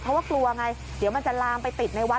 เพราะว่ากลัวไงเดี๋ยวมันจะลามไปติดในวัด